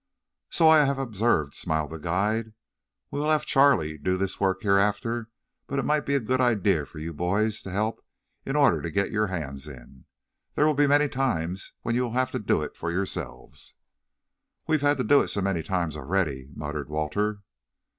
"So I have observed," smiled the guide. "We will have Charlie do this work hereafter, but it might be a good idea for you boys to help in order to get your hands in. There will be many times when you will have to do it for yourselves." "We have had to do so many times already," muttered Walter.